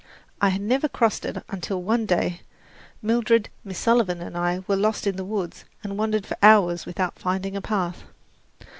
I had never crossed it until one day Mildred, Miss Sullivan and I were lost in the woods, and wandered for hours without finding a path.